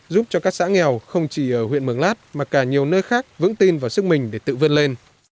giúp cho các xã nghèo không chỉ ở huyện mường lát mà cả nhiều nơi khác vững tin vào sức mình để tự vươn lên